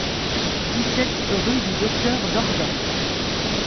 dix-sept rue du Docteur Dordain